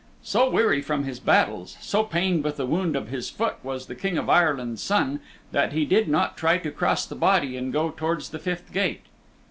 So weary from his battles, so pained with the wound of his foot was the King of Ireland's Son that he did not try to cross the body and go towards the fifth gate.